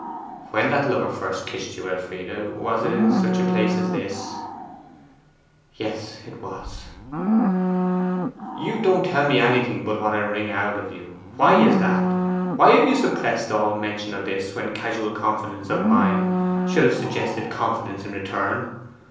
'When that lover first kissed you, Elfride was it in such a place as this?' 'Yes, it was.' 'You don't tell me anything but what I wring out of you. Why is that? Why have you suppressed all mention of this when casual confidences of mine should have suggested confidence in return?